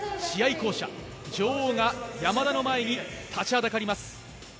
巧者女王が山田の前に立ちはだかります。